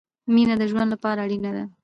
مينه د ژوند له پاره اړينه ده